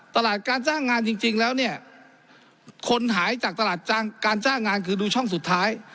ตลาดการจ้างงานจริงแล้วเนี่ยคนหายจากตลาดการจ้างงานคือดูช่องสุดท้าย